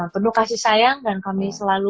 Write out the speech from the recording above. penuh kasih sayang dan kami selalu